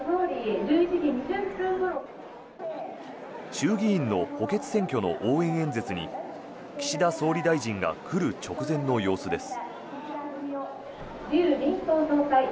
衆議院の補欠選挙の応援演説に岸田総理大臣が来る直前の様子です。